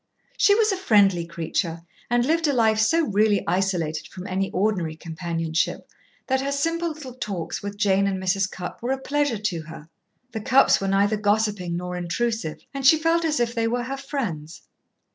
She was a friendly creature, and lived a life so really isolated from any ordinary companionship that her simple little talks with Jane and Mrs. Cupp were a pleasure to her. The Cupps were neither gossiping nor intrusive, and she felt as if they were her friends.